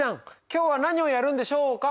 今日は何をやるんでしょうか？